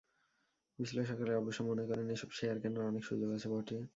বিশ্লেষকেরা অবশ্য মনে করেন, এসব শেয়ার কেনার অনেক সুযোগ আছে বটে।